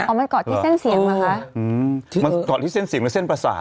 มันเกาะที่เส้นเสียงเหรอคะอืมจริงมันเกาะที่เส้นเสียงมันเส้นประสาท